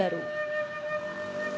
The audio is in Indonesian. dan juga penghubungan baru